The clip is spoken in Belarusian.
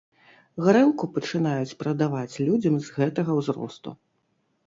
Гарэлку пачынаюць прадаваць людзям з гэтага ўзросту.